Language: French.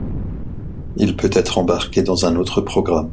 Il peut être embarqué dans un autre programme.